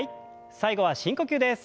最後は深呼吸です。